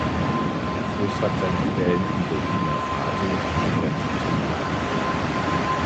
Der Fluss hat seine Quellen in Burkina Faso an der Grenze zu Mali.